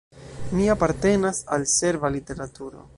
Mi apartenas al serba literaturo.